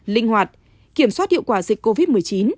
linh hoạt kiểm soát hiệu quả dịch covid một mươi chín